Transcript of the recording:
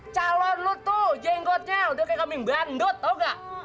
calon lu tuh jenggotnya udah kaya kambing bandut tau gak